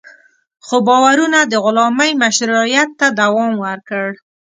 خو باورونه د غلامۍ مشروعیت ته دوام ورکړ.